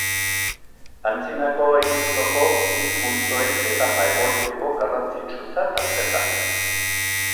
Antzinako Egiptoko hil multzoen etapa ebolutibo garrantzitsutzat hartzen da.